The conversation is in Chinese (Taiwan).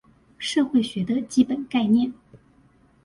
社會學的基本概念